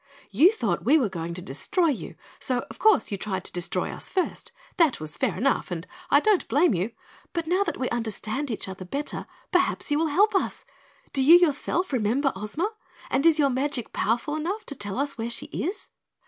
"You thought we were going to destroy you, so, of course, you tried to destroy us first. That was fair enough and I don't blame you, but now that we understand each other better, perhaps you will help us? Do you, yourself, remember Ozma, and is your magic powerful enough to tell us where she is?"